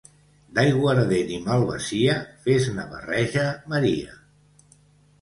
D'aiguardent i malvasia, fes-ne barreja, Maria.